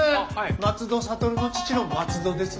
松戸諭の父の松戸です